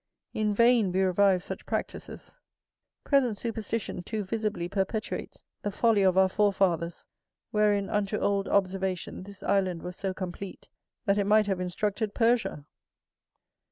In vain we revive such practices; present superstition too visibly perpetuates the folly of our forefathers, wherein unto old observation this island was so complete, that it might have instructed Persia.